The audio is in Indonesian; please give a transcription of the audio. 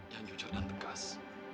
yang jujur dan tegas